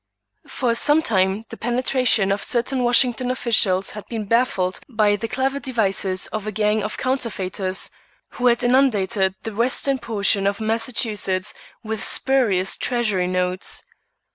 For some time the penetration of certain Washington officials had been baffled by the clever devices of a gang of counterfeiters who had inundated the western portion of Massachusetts with spurious Treasury notes.